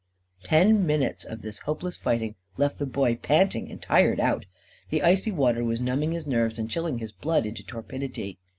Ten minutes of this hopeless fighting left the Boy panting and tired out. The icy water was numbing his nerves and chilling his blood into torpidity.